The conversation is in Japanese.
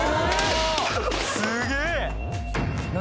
すげえ何？